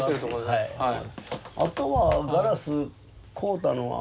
はいはい。